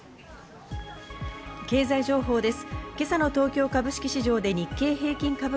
経済情報です。